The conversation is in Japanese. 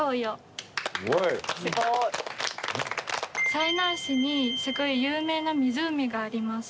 済南市にすごい有名な湖があります。